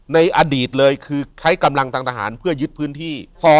ในอดีตเลยคือใช้กำลังทางทหารเพื่อยึดพื้นที่